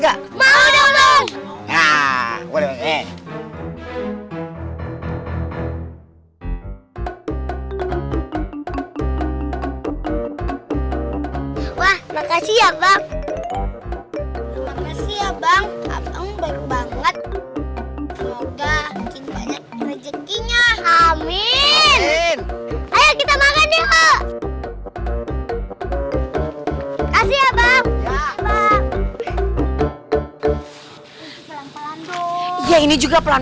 ampun ampun sinuman ular